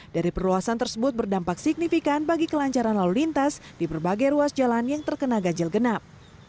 dari perluasan tersebut berdampak signifikan bagi kelancaran lalu lintas di berbagai ruas jalan yang terkena ganjil genap